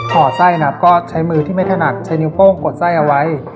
ห่อไส้นะครับก็ใช้มือที่ไม่ถนัดใช้นิ้วโป้งกดไส้เอาไว้